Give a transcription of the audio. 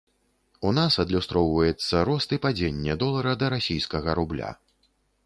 У нас адлюстроўваецца рост і падзенне долара да расійскага рубля.